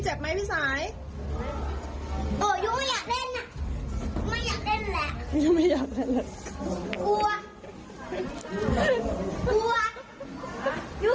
ทำไมพี่สายไม่กลัวล่ะ